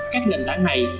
các nền tảng này